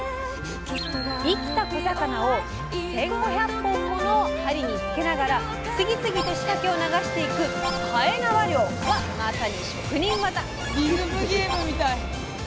生きた小魚を１，５００本もの針につけながら次々と仕掛けを流していく「延縄漁」はまさに職人技！